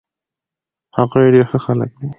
هغوي ډير ښه خلک دي